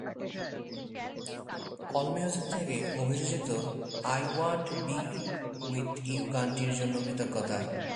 All Music থেকে অভিযোজিত "I want be with you" গানটির জন্য কৃতজ্ঞতা।